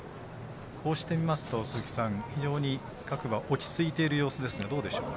こうしてみますと、非常に各馬落ち着いている様子ですがどうでしょうか。